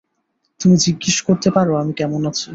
তুমি জিজ্ঞেস করতে পারো আমি কেমন আছি।